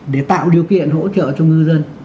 để tạo điều kiện hỗ trợ cho ngư dân